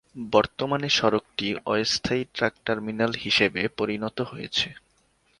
বর্তমানে সড়কটি অস্থায়ী ট্রাক টার্মিনাল হিসেবে পরিণত হয়েছে।